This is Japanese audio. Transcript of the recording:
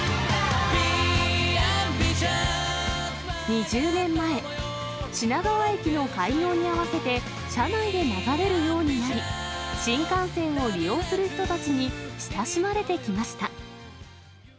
２０年前、品川駅の開業に合わせて車内で流れるようになり、新幹線を利用する人たちに親しまれてきました。